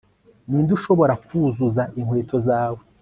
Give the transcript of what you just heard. ninde ushobora kuzuza inkweto zawe